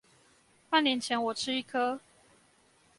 半年前我吃一顆